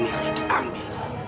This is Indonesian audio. ini harus diambil